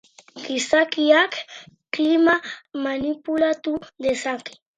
Gizakiak klima manipulatu dezake?